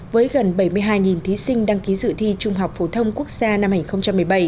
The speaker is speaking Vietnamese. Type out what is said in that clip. với gần bảy mươi hai thí sinh đăng ký dự thi trung học phổ thông quốc gia năm hai nghìn một mươi bảy